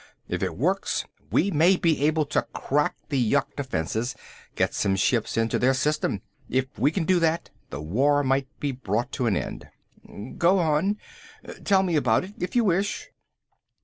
If it works, we may be able to crack the yuk defenses, get some ships into their system. If we can do that the war might be brought to an end." "Go on. Tell me about it, if you wish."